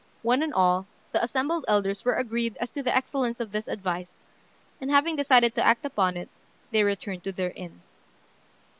One and all, the assembled elders were agreed as to the excellence of this advice; and having decided to act upon it, they returned to their inn.